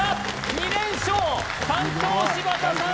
２連勝担当柴田さん